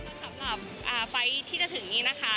สำหรับไฟล์ที่จะถึงนี้นะคะ